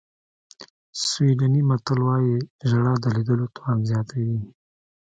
سویډني متل وایي ژړا د لیدلو توان زیاتوي.